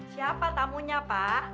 siapa tamunya pak